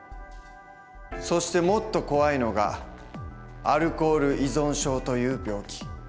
そしてもっと怖いのがアルコール依存症という病気。